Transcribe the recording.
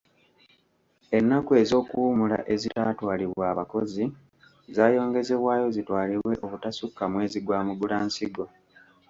Ennaku ez’okuwummula ezitaatwalibwa abakozi zaayongezebwayo zitwalibwe obutasukka mwezi gwa Mugulansigo.